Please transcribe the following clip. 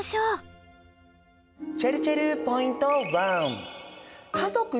ちぇるちぇるポイント１。